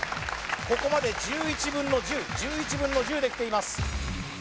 ここまで１１分の１０１１分の１０できています